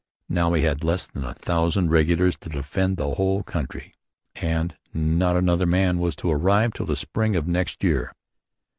Now he had less than a thousand regulars to defend the whole country: and not another man was to arrive till the spring of next year.